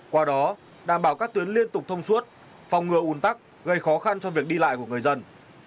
qua đó đảm bảo các tuyến liên tục thông suốt phòng ngừa un tắc gây khó khăn cho việc đi lại của người dân